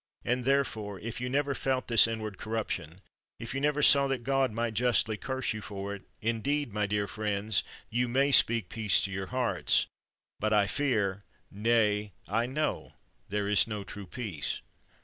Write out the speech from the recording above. And, therefore, if you never felt this in ward corruption, if you never saw that God might justly curse you for it, indeed, my dear friends, you may speak peace to your hearts, but I fear, nay, I know, there is no true peace.